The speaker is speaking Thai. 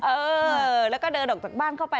เออแล้วก็เดินออกจากบ้านเข้าไป